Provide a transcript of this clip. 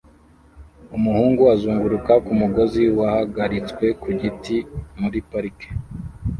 Umuhungu azunguruka ku mugozi wahagaritswe ku giti muri parike